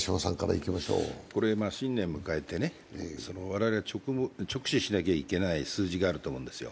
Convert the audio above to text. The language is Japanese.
新年迎えて、我々が直視しなきゃいけない数字があると思うんですよ。